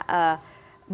teman teman dokter gitu ya